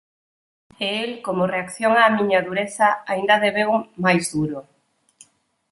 e el, como reacción á miña dureza, aínda deveu máis duro.